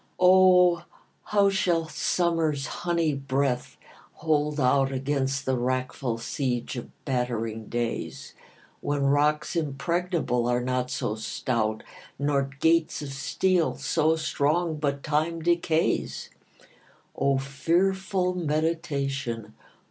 O, how shall summer's honey breath hold out Against the wreckful siege of battering days, When rocks impregnable are not so stout, Nor gates of steel so strong, but Time decays? O fearful meditation!